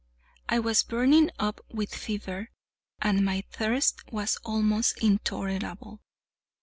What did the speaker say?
I was burning up with fever, and my thirst was almost intolerable.